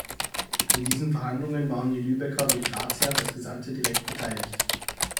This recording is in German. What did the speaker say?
In diesen Verhandlungen waren die Lübecker durch Ratsherrn als Gesandte direkt beteiligt.